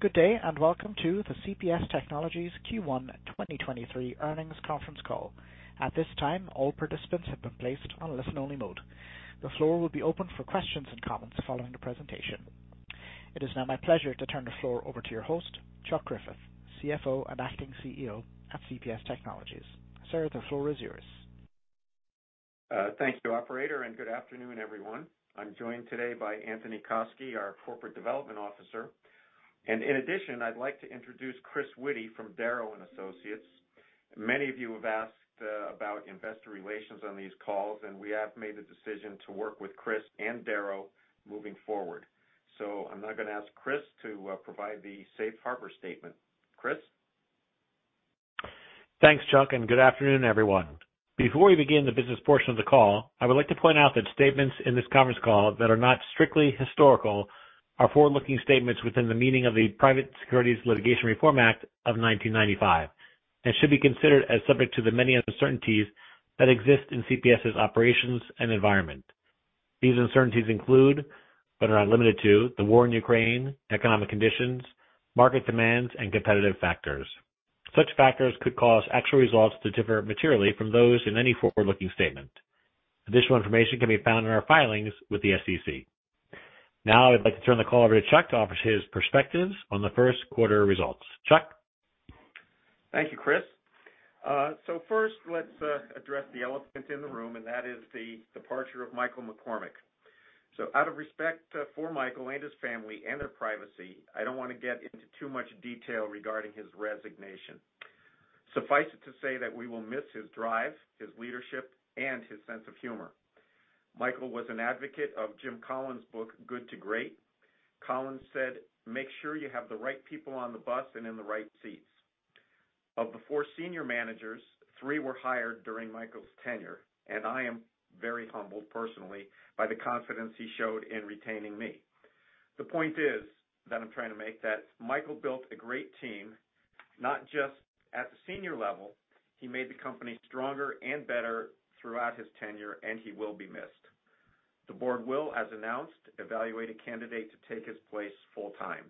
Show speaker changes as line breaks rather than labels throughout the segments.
Good day, welcome to the CPS Technologies Q1 2023 earnings conference call. At this time, all participants have been placed on listen-only mode. The floor will be open for questions and comments following the presentation. It is now my pleasure to turn the floor over to your host, Chuck Griffith, CFO and Acting CEO at CPS Technologies. Sir, the floor is yours.
Thank you, operator, and good afternoon, everyone. I'm joined today by Anthony Koski, our Corporate Development Officer, and in addition, I'd like to introduce Chris Witty from Darrow Associates. Many of you have asked about investor relations on these calls, and we have made the decision to work with Chris and Darrow moving forward. I'm now gonna ask Chris to provide the safe harbor statement. Chris.
Thanks, Chuck. Good afternoon, everyone. Before we begin the business portion of the call, I would like to point out that statements in this conference call that are not strictly historical are forward-looking statements within the meaning of the Private Securities Litigation Reform Act of 1995 and should be considered as subject to the many uncertainties that exist in CPS's operations and environment. These uncertainties include, but are not limited to, the war in Ukraine, economic conditions, market demands, and competitive factors. Such factors could cause actual results to differ materially from those in any forward-looking statement. Additional information can be found in our filings with the SEC. I'd like to turn the call over to Chuck to offer his perspectives on the first quarter results. Chuck.
Thank you, Chris. First let's address the elephant in the room, and that is the departure of Michael McCormack. Out of respect for Michael and his family and their privacy, I don't wanna get into too much detail regarding his resignation. Suffice it to say that we will miss his drive, his leadership, and his sense of humor. Michael was an advocate of Jim Collins' book, Good to Great. Collins said, "Make sure you have the right people on the bus and in the right seats." Of the four senior managers, three were hired during Michael's tenure, and I am very humbled personally by the confidence he showed in retaining me. The point is that I'm trying to make, that Michael built a great team, not just at the senior level. He made the company stronger and better throughout his tenure, and he will be missed. The board will, as announced, evaluate a candidate to take his place full-time.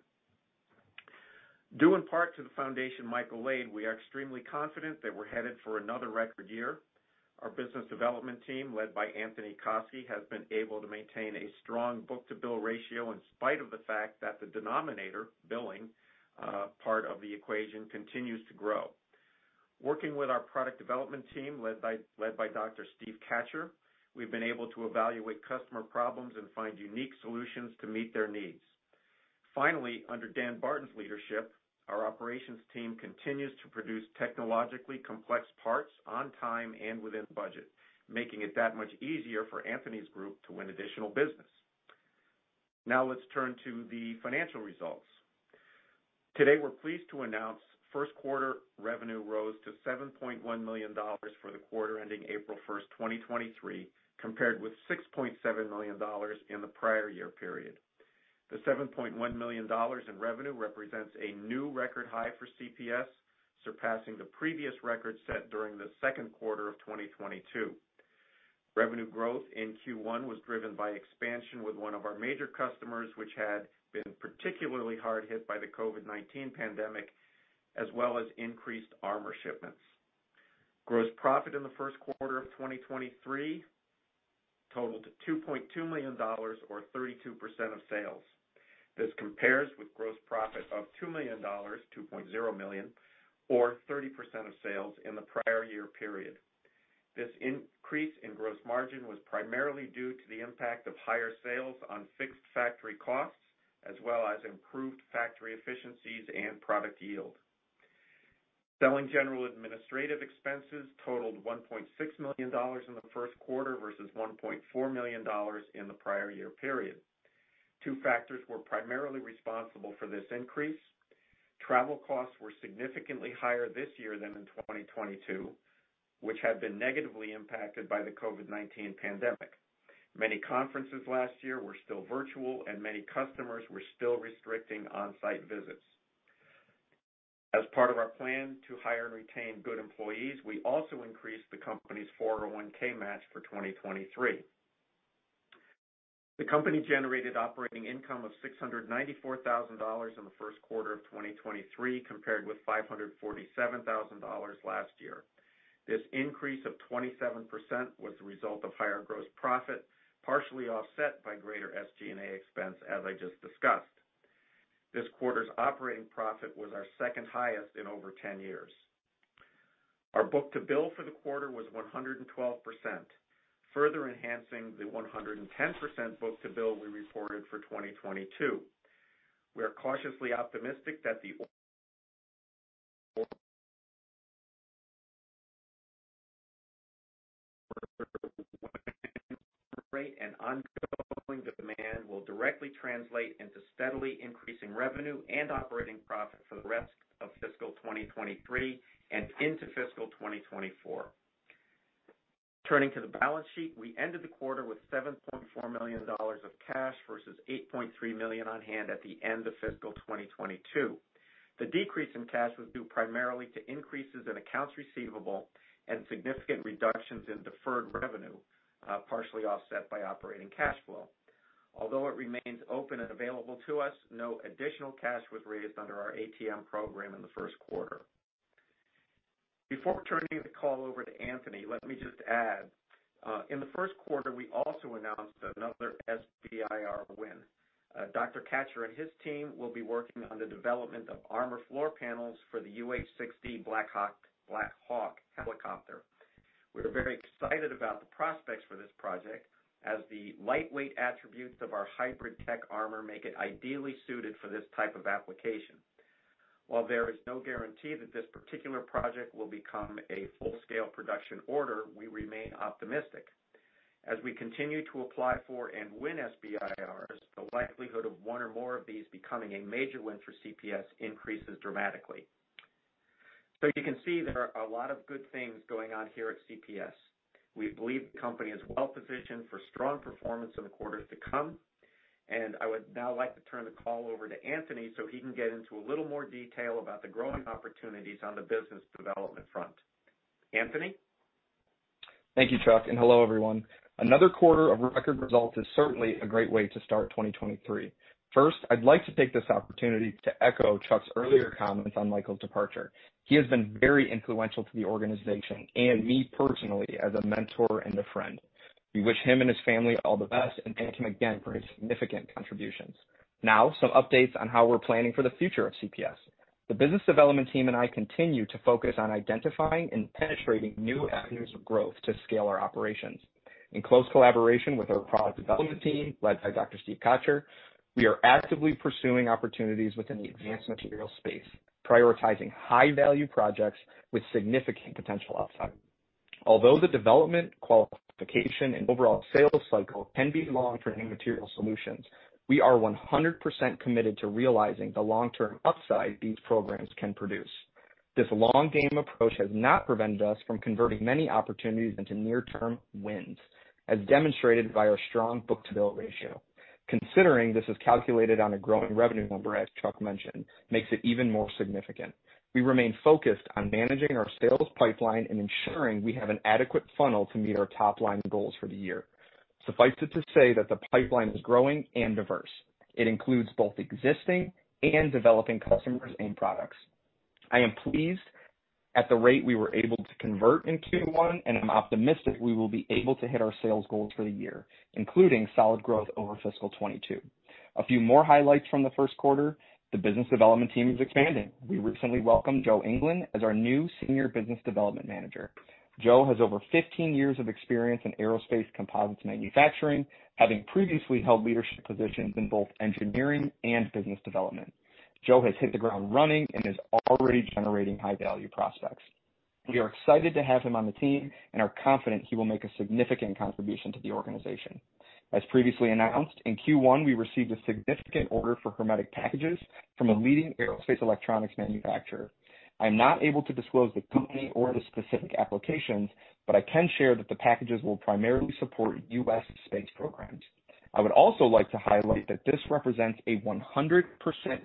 Due in part to the foundation Michael laid, we are extremely confident that we're headed for another record year. Our business development team, led by Anthony Koski, has been able to maintain a strong book-to-bill ratio in spite of the fact that the denominator billing, part of the equation continues to grow. Working with our product development team led by Dr. Steve Kachur, we've been able to evaluate customer problems and find unique solutions to meet their needs. Finally, under Dan Barton's leadership, our operations team continues to produce technologically complex parts on time and within budget, making it that much easier for Anthony's group to win additional business. Let's turn to the financial results. Today, we're pleased to announce first quarter revenue rose to $7.1 million for the quarter ending April 1st, 2023, compared with $6.7 million in the prior year period. The $7.1 million in revenue represents a new record high for CPS, surpassing the previous record set during the second quarter of 2022. Revenue growth in Q1 was driven by expansion with one of our major customers, which had been particularly hard hit by the COVID-19 pandemic, as well as increased armor shipments. Gross profit in the first quarter of 2023 totaled $2.2 million or 32% of sales. This compares with gross profit of $2.0 million or 30% of sales in the prior year period. This increase in gross margin was primarily due to the impact of higher sales on fixed factory costs, as well as improved factory efficiencies and product yield. Selling general administrative expenses totaled $1.6 million in the first quarter versus $1.4 million in the prior year period. Two factors were primarily responsible for this increase. Travel costs were significantly higher this year than in 2022, which had been negatively impacted by the COVID-19 pandemic. Many conferences last year were still virtual. Many customers were still restricting on-site visits. As part of our plan to hire and retain good employees, we also increased the company's 401(k) match for 2023. The company generated operating income of $694,000 in the first quarter of 2023, compared with $547,000 last year. This increase of 27% was the result of higher gross profit, partially offset by greater SG&A expense, as I just discussed. This quarter's operating profit was our second highest in over 10 years. Our book-to-bill for the quarter was 112%, further enhancing the 110% book-to-bill we reported for 2022. We are cautiously optimistic that ongoing demand will directly translate into steadily increasing revenue and operating profit for the rest of fiscal 2023 and into fiscal 2024. Turning to the balance sheet, we ended the quarter with $7.4 million of cash versus $8.3 million on hand at the end of fiscal 2022. The decrease in cash was due primarily to increases in accounts receivable and significant reductions in deferred revenue, partially offset by operating cash flow. Although it remains open and available to us, no additional cash was raised under our ATM program in the first quarter. Before turning the call over to Anthony, let me just add, in the first quarter, we also announced another SBIR win. Dr. Kachur and his team will be working on the development of armor floor panels for the UH-60 Black Hawk helicopter. We're very excited about the prospects for this project as the lightweight attributes of our HybridTech Armor make it ideally suited for this type of application. While there is no guarantee that this particular project will become a full-scale production order, we remain optimistic. As we continue to apply for and win SBIRs, the likelihood of one or more of these becoming a major win for CPS increases dramatically. You can see there are a lot of good things going on here at CPS. We believe the company is well-positioned for strong performance in the quarters to come, and I would now like to turn the call over to Anthony so he can get into a little more detail about the growing opportunities on the business development front. Anthony?
Thank you, Chuck. Hello, everyone. Another quarter of record results is certainly a great way to start 2023. First, I'd like to take this opportunity to echo Chuck's earlier comments on Michael's departure. He has been very influential to the organization and me personally as a mentor and a friend. We wish him and his family all the best. Thank him again for his significant contributions. Some updates on how we're planning for the future of CPS. The business development team and I continue to focus on identifying and penetrating new avenues of growth to scale our operations. In close collaboration with our product development team, led by Dr. Steve Kachur, we are actively pursuing opportunities within the advanced materials space, prioritizing high-value projects with significant potential upside. Although the development, qualification, and overall sales cycle can be long for new material solutions, we are 100% committed to realizing the long-term upside these programs can produce. This long game approach has not prevented us from converting many opportunities into near-term wins, as demonstrated by our strong book-to-bill ratio. Considering this is calculated on a growing revenue number, as Chuck mentioned, makes it even more significant. We remain focused on managing our sales pipeline and ensuring we have an adequate funnel to meet our top-line goals for the year. Suffice it to say that the pipeline is growing and diverse. It includes both existing and developing customers and products. I am pleased at the rate we were able to convert in Q1, and I'm optimistic we will be able to hit our sales goals for the year, including solid growth over fiscal 2022. A few more highlights from the first quarter, the business development team is expanding. We recently welcomed Joe Englin as our new Senior Business Development Manager. Joe has over 15 years of experience in aerospace composites manufacturing, having previously held leadership positions in both engineering and business development. Joe has hit the ground running and is already generating high-value prospects. We are excited to have him on the team and are confident he will make a significant contribution to the organization. As previously announced, in Q1, we received a significant order for hermetic packages from a leading aerospace electronics manufacturer. I'm not able to disclose the company or the specific applications. I can share that the packages will primarily support U.S. space programs. I would also like to highlight that this represents a 100%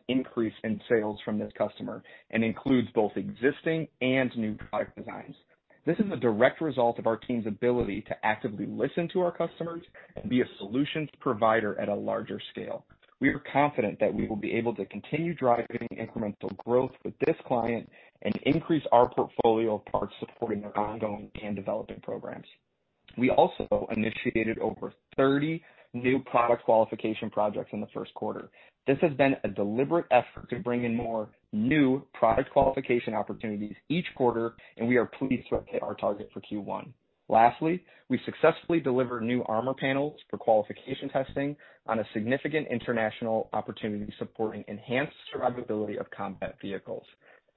increase in sales from this customer and includes both existing and new product designs. This is a direct result of our team's ability to actively listen to our customers and be a solutions provider at a larger scale. We are confident that we will be able to continue driving incremental growth with this client and increase our portfolio of parts supporting their ongoing and developing programs. We also initiated over 30 new product qualification projects in the first quarter. This has been a deliberate effort to bring in more new product qualification opportunities each quarter, and we are pleased to have hit our target for Q1. Lastly, we successfully delivered new armor panels for qualification testing on a significant international opportunity supporting enhanced survivability of combat vehicles.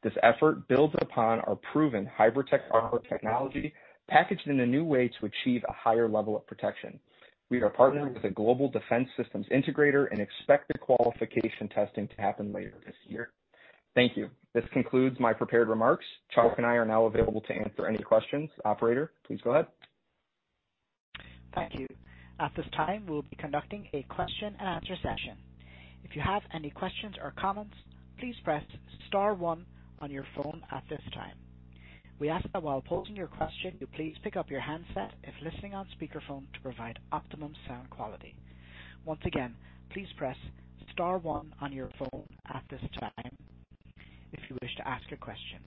This effort builds upon our proven HybridTech Armor armor technology packaged in a new way to achieve a higher level of protection. We are partnered with a global defense systems integrator and expect the qualification testing to happen later this year. Thank you. This concludes my prepared remarks. Chuck and I are now available to answer any questions. Operator, please go ahead.
Thank you. At this time, we'll be conducting a question and answer session. If you have any questions or comments, please press star one on your phone at this time. We ask that while posing your question, you please pick up your handset if listening on speakerphone to provide optimum sound quality. Once again, please press star one on your phone at this time if you wish to ask a question.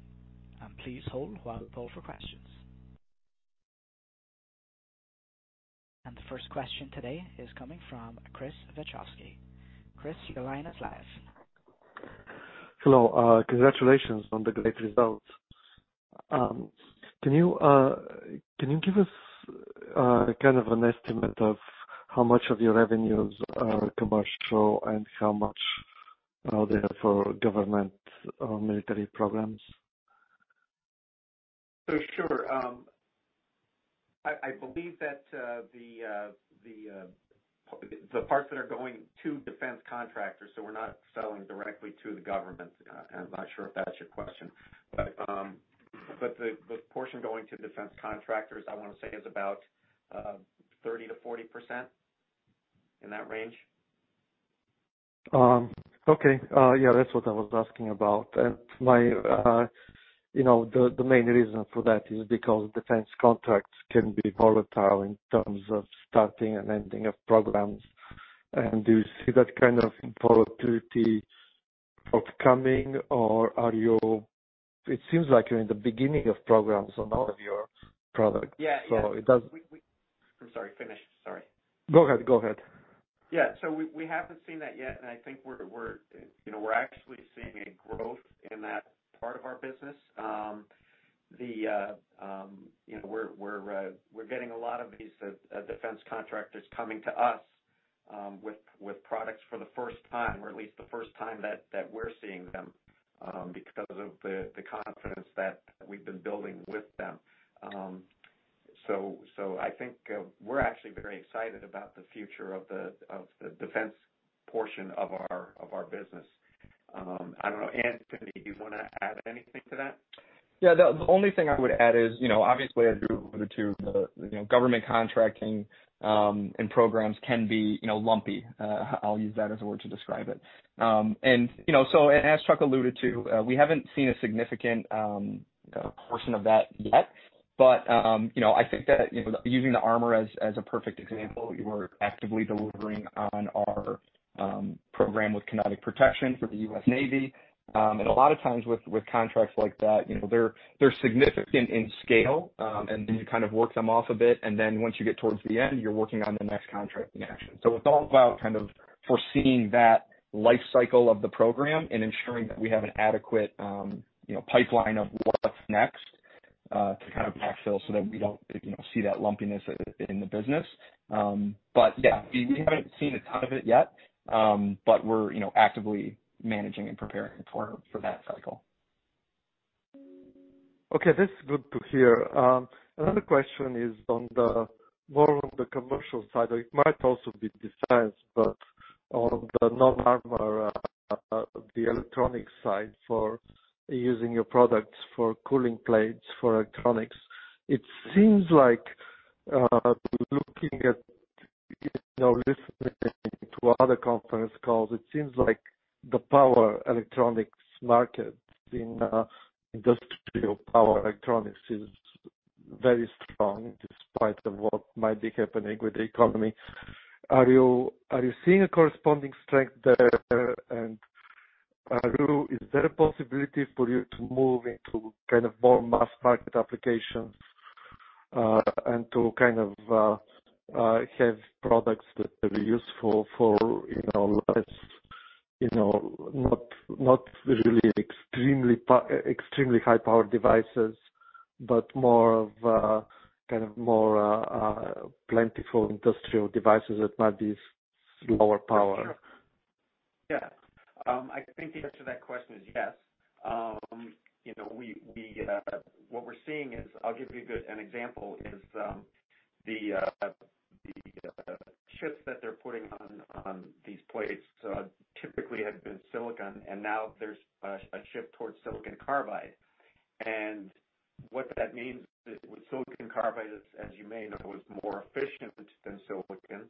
Please hold while we poll for questions. The first question today is coming from Chris Wachowski. Chris, your line is live.
Hello. Congratulations on the great results. Can you give us kind of an estimate of how much of your revenues are commercial and how much are there for government or military programs?
Sure. I believe that the parts that are going to defense contractors, so we're not selling directly to the government. I'm not sure if that's your question, but the portion going to defense contractors, I wanna say, is about 30%-40%. In that range.
Okay. Yeah, that's what I was asking about. My, you know, the main reason for that is because defense contracts can be volatile in terms of starting and ending of programs. Do you see that kind of volatility upcoming or it seems like you're in the beginning of programs on all of your products?
Yeah.
So it does-
We, I'm sorry, finish. Sorry.
Go ahead.
Yeah. We, we haven't seen that yet, and I think we're, you know, we're actually seeing a growth in that part of our business. The, you know, we're getting a lot of these defense contractors coming to us with products for the first time, or at least the first time that we're seeing them, because of the confidence that we've been building with them. I think we're actually very excited about the future of the defense portion of our business. I don't know. Anthony, do you want to add anything to that?
Yeah. The only thing I would add is, you know, obviously, as you alluded to, the, you know, government contracting, and programs can be, you know, lumpy. I'll use that as a word to describe it. You know, as Chuck alluded to, we haven't seen a significant portion of that yet, but, you know, I think that, you know, using the armor as a perfect example, we're actively delivering on our program with Kinetic Protection for the U.S. Navy. A lot of times with contracts like that, you know, they're significant in scale, and then you kind of work them off a bit, and then once you get towards the end, you're working on the next contract in action. It's all about kind of foreseeing that life cycle of the program and ensuring that we have an adequate, you know, pipeline of what's next to kind of backfill so that we don't, you know, see that lumpiness in the business. Yeah, we haven't seen a ton of it yet, but we're, you know, actively managing and preparing for that cycle.
Okay. This is good to hear. Another question is on the more on the commercial side, it might also be defense, but on the non-armor, the electronic side for using your products for cooling plates for electronics. It seems like, looking at, you know, listening to other conference calls, it seems like the power electronics market in industrial power electronics is very strong despite of what might be happening with the economy. Are you seeing a corresponding strength there? Is there a possibility for you to move into kind of more mass market applications, and to kind of, have products that will be useful for, you know, less, you know, not really extremely high powered devices, but more of, kind of more, plentiful industrial devices that might be lower power?
Sure. Yeah. I think the answer to that question is yes. You know, what we're seeing is, I'll give you a good example, is, the chips that they're putting on these plates, typically have been silicon, and now there's a shift towards silicon carbide. What that means is with silicon carbide, as you may know, is more efficient than silicon.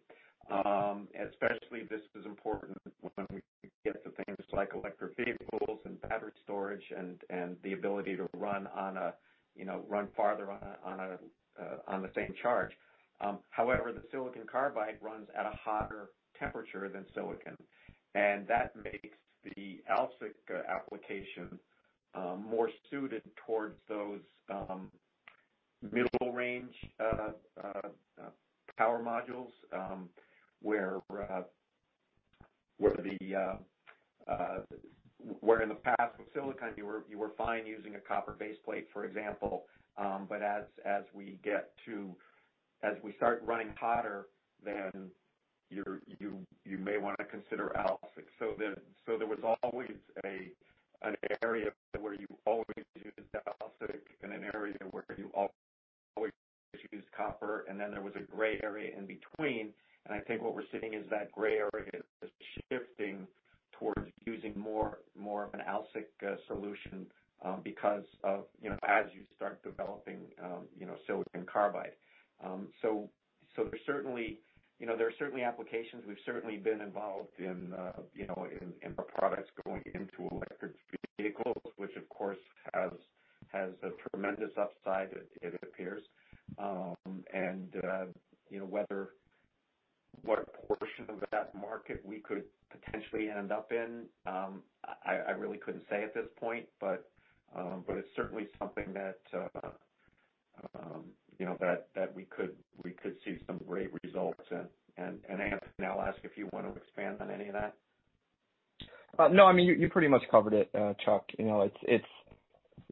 Especially, this is important when we get to things like electric vehicles and battery storage and the ability to run on a, you know, run farther on a, on the same charge. However, the silicon carbide runs at a hotter temperature than silicon, and that makes the AlSiC application more suited towards those middle range power modules, where in the past with silicon, you were fine using a copper base plate, for example. As we start running hotter, then you may wanna consider AlSiC. There was always an area where you always used AlSiC and an area where you always used copper, and then there was a gray area in between. I think what we're seeing is that gray area is shifting towards using more of an AlSiC solution, because of, you know, as you start developing, you know, silicon carbide. There's certainly, you know, there are certainly applications. We've certainly been involved in, you know, in products going into electric vehicles, which of course has a tremendous upside, it appears. You know, whether what portion of that market we could potentially end up in, I really couldn't say at this point, but it's certainly something that, you know, that we could see some great results. Anthony, I'll ask if you wanna expand on any of that.
No. I mean, you pretty much covered it, Chuck. You know, it's.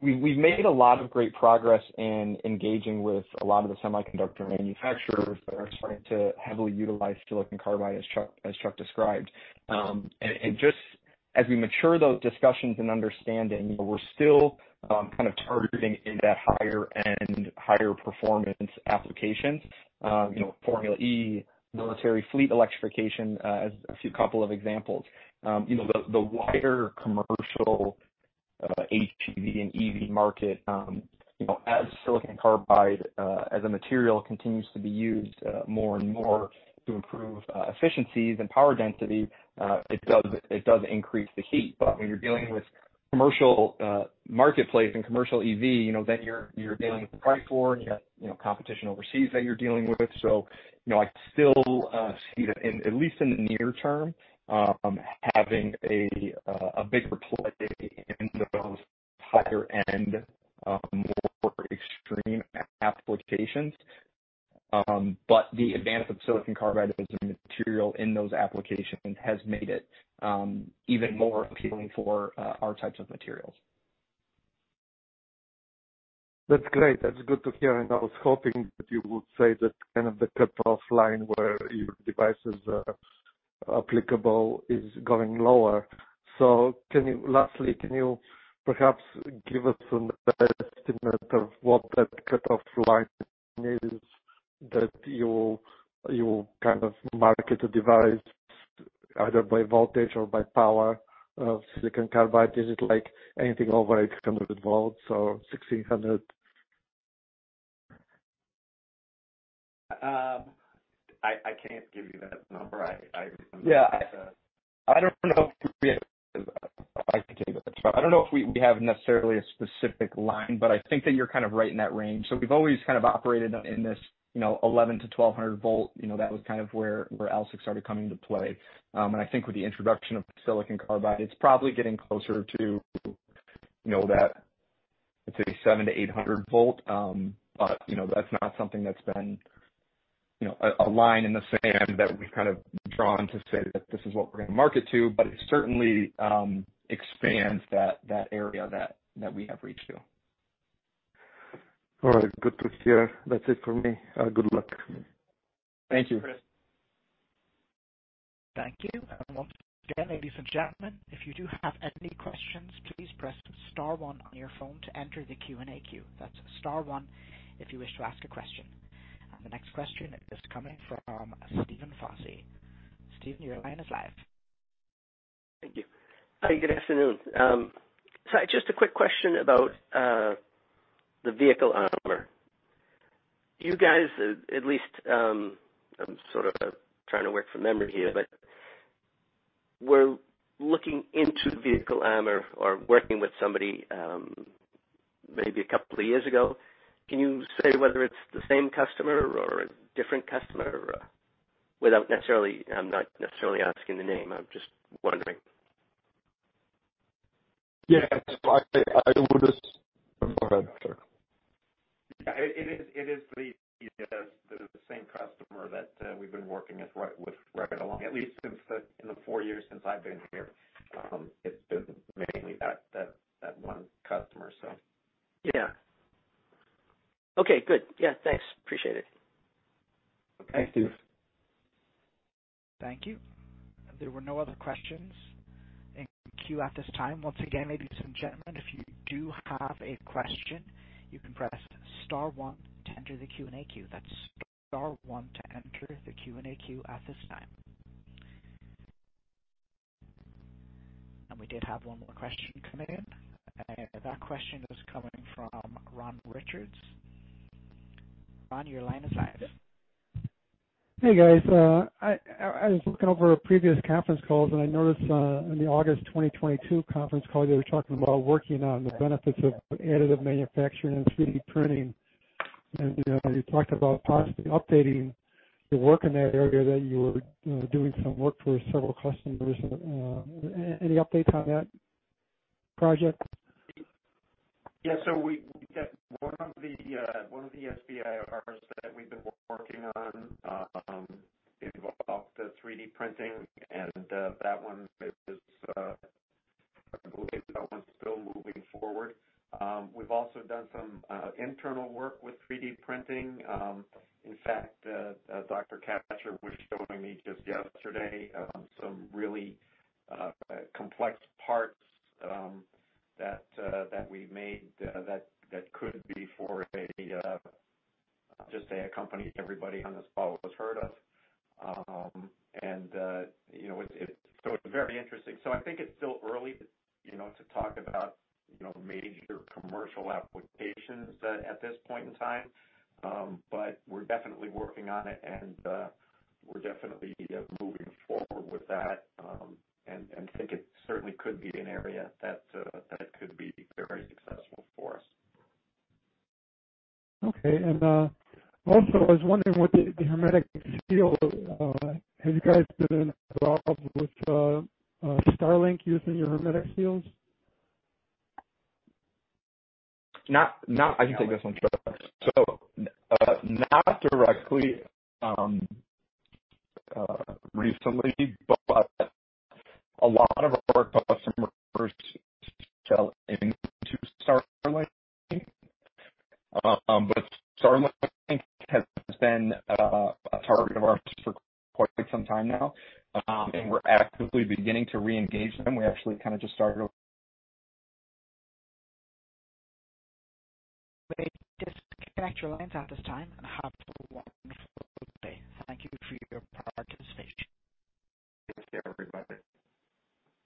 We've made a lot of great progress in engaging with a lot of the semiconductor manufacturers that are starting to heavily utilize silicon carbide as Chuck, as Chuck described. Just as we mature those discussions and understanding, you know, we're still kind of targeting into higher end, higher performance applications. You know, Formula E, military fleet electrification, as a few couple of examples. You know, the wider commercial HEV and EV market, you know, as silicon carbide as a material continues to be used more and more to improve efficiencies and power density, it does increase the heat. When you're dealing with commercial marketplace and commercial EV, you know, then you're dealing with the price war and you have, you know, competition overseas that you're dealing with. You know, I still see that in at least in the near term, having a bigger play in those higher end, more extreme applications. The advance of silicon carbide as a material in those applications has made it even more appealing for our types of materials.
That's great. That's good to hear. I was hoping that you would say that kind of the cutoff line where your devices are applicable is going lower. Lastly, can you perhaps give us an estimate of what that cutoff line is that you'll kind of market a device either by voltage or by power of silicon carbide? Is it like anything over 800 volts or 1,600?
I can't give you that number.
Yeah. I don't know if we have. I can give it a try. I don't know if we have necessarily a specific line, but I think that you're kind of right in that range. We've always kind of operated in this, you know, 1,100-1,200 volt. You know, that was kind of where AlSiC started coming into play. I think with the introduction of silicon carbide, it's probably getting closer to, you know, that, let's say 700-800 volt. You know, that's not something that's been, you know, a line in the sand that we've kind of drawn to say that this is what we're gonna market to. It certainly expands that area that we have reached to.
All right. Good to hear. That's it for me. Good luck.
Thank you.
Thanks.
Thank you. Once again, ladies and gentlemen, if you do have any questions, please press star one on your phone to enter the Q&A queue. That's star 1 if you wish to ask a question. The next question is coming from Stephen Fasi. Stephen, your line is live.
Thank you. Hi, good afternoon. Just a quick question about the vehicle armor. You guys, at least, I'm sort of trying to work from memory here, but we're looking into vehicle armor or working with somebody, maybe a couple of years ago. Can you say whether it's the same customer or a different customer? Without necessarily, I'm not necessarily asking the name, I'm just wondering.
Yes, I would. Go ahead, Chuck.
Yeah, it is the same customer that we've been working with right along at least since the, in the four years since I've been here. It's been mainly that one customer. So.
Yeah. Okay, good. Yeah, thanks. Appreciate it.
Thanks, Steve.
Thank you. There were no other questions in queue at this time. Once again, ladies and gentlemen, if you do have a question, you can press star one to enter the Q&A queue. That's star one to enter the Q&A queue at this time. We did have one more question come in. That question is coming from Ron Richards. Ron, your line is live.
Hey, guys. I was looking over previous conference calls, and I noticed in the August 2022 conference call, you were talking about working on the benefits of additive manufacturing and 3D printing. You know, you talked about possibly updating your work in that area, that you were, you know, doing some work for several customers. Any updates on that project?
Yeah. We got one of the, one of the SBIRs that we've been working on, involved the 3D printing and that one is, I believe that one's still moving forward. We've also done some internal work with 3D printing. In fact, Dr. Kachur was showing me just yesterday, some really complex parts that we made that could be for a, just say a company everybody on this call has heard of. You know, it's very interesting. I think it's still early to, you know, to talk about, you know, major commercial applications at this point in time. We're definitely working on it, we're definitely moving forward with that. Think it certainly could be an area that could be very successful for us.
Okay. Also I was wondering what the hermetic seal, have you guys been involved with, Starlink using your hermetic seals?
I can take this one, sure. Not directly, recently, a lot of our customers sell into Starlink. Starlink has been a target of ours for quite some time now, and we're actively beginning to re-engage them. We actually kind of just started.
Please disconnect your lines at this time and have a wonderful day. Thank you for your participation.
Thanks everybody.